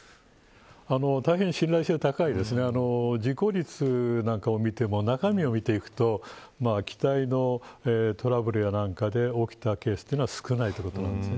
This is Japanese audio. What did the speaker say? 大変信頼性の高い事故率を見ても中身を見ていくと機体のトラブルやなんかで起きたケースというのは少ないということなんです。